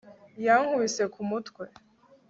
yankubise ku mutwe